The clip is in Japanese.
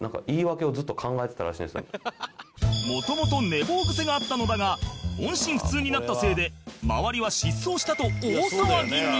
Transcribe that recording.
もともと寝坊癖があったのだが音信不通になったせいで周りは失踪したと大騒ぎに